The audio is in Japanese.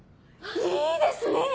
いいですね！